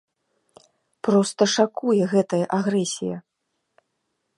Проста шакуе гэтая агрэсія.